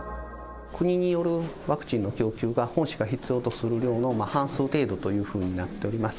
国によるワクチンの供給が、本市が必要とする量の半数程度というふうになっております。